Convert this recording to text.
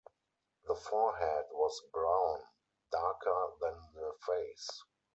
The forehead was brown, darker than the face.